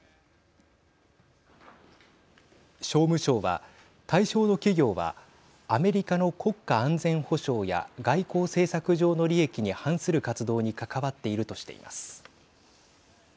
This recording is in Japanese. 商務省は対象の企業はアメリカの国家安全保障や外交政策上の利益に反する活動に関わっているとしています。